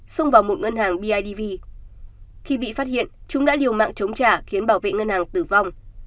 xông vào một ngân hàng bidv khi bị phát hiện chúng đã liều mạng chống trả khiến bảo vệ ngân hàng tử vong